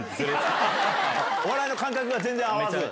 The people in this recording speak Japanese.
お笑いの感覚が全然合わない？